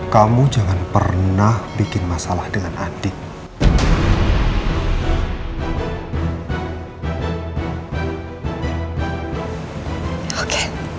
kamu jangan pernah bikin masalah dengan adik